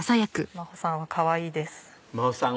「真帆さんはかわいいです」